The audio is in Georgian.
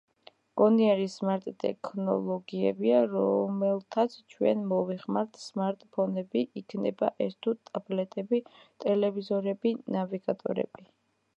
გონიერი, სმარტ-ტექნოლოგიებია, რომელთაც ჩვენ მოვიხმართ, სმარტ-ფონები იქნება ეს, თუ ტაბლეტები, ტელევიზორები, ნავიგატორები.